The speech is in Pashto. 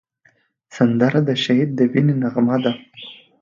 سندره د شهید د وینې نغمه ده